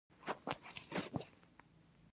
رشوت ولې حرام دی؟